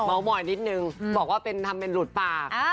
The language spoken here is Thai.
ไม่เหมาะนิดนึงบอกว่าทำเป็นหลุดปาก